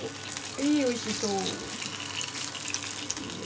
はいおいしそう。